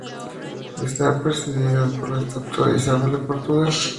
Está presidida por la estatua de Isabel de Portugal.